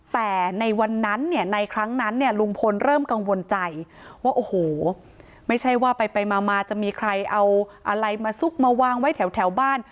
แต่ในวันนั้นเนี่ยในครั้งนั้นเนี่ยลุงพลเริ่มกังวลใจว่าโอ้โหไม่ใช่ว่าไปมาจะมีใครเอาอะไรมาซุกมาวางไว้แถวบ้าน